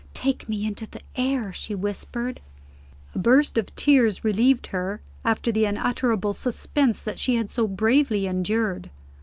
"Take me into the air!" she whispered. A burst of tears relieved her, after the unutterable suspense that she had so bravely endured.